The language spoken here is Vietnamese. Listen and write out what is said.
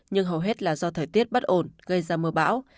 nhưng hầu hết là do thời tiết bất ổn gây ra mưa bão